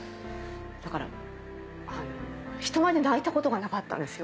だから人前で泣いたことがなかったんですよ。